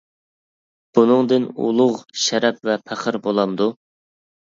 بۇنىڭدىن ئۇلۇغ شەرەپ ۋە پەخىر بولامدۇ؟ !